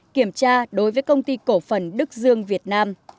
kiểm tra đối với công ty cổ phần đức dương việt nam